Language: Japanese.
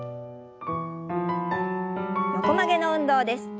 横曲げの運動です。